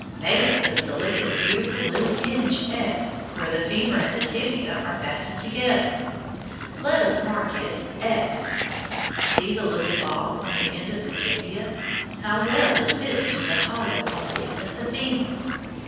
May wants us to look at the beautiful little hinge x where the femur and the tibia are fastened together. Let us mark it X. See the little ball on the end of the tibia. How well it fits into the hollow on the end of the femur.